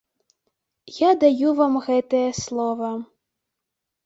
Я даю вам гэтае слова.